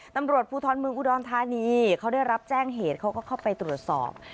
ตำรวจภูทรเมืองอุดรธานีเขาได้รับแจ้งเหตุเขาก็เข้าไปตรวจสอบ